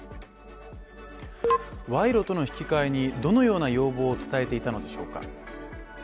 賄賂との引き換えにどのような要望を伝えていたのでしょうか。